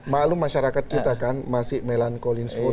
maklum masyarakat kita kan masih melankolin seputus